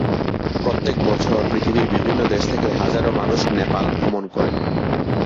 প্রত্যেক বছর পৃথিবীর বিভিন্ন দেশ থেকে হাজারো মানুষ নেপাল ভ্রমণ করে।